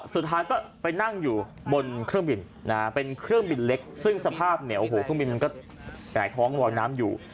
สุดท้ายก็ไปนั่งอยู่บนเครื่องบินนะฮะเป็นเครื่องบินเล็กซึ่งสภาพเนี่ยโอ้โหเครื่องบินมันก็หงายท้องลอยน้ำอยู่